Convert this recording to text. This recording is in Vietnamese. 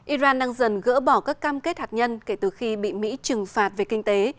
iran đang dần gỡ bỏ các cam kết hạt nhân kể từ khi bị mỹ trừng phạt về kinh tế